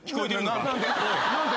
何で？